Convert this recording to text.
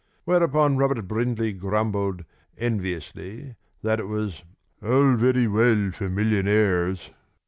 Whereupon Robert Brindley grumbled enviously that it was "all very well for millionaires..."